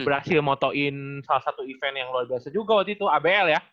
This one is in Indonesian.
berhasil motoin salah satu event yang luar biasa juga waktu itu abl ya